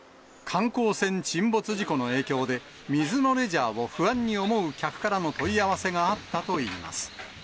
観光船沈没事故の影響で、水のレジャーを不安に思う客からの問い合わせがあったといいます。